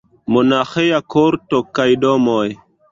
Monaĥeja korto kaj domoj.